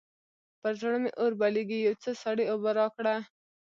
پر زړه مې اور بلېږي؛ يو څه سړې اوبه راکړه.